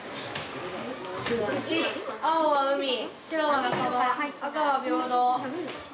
１青は海白は仲間赤は平等。